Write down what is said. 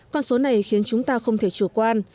con số này khiến chúng ta không thể chủ quan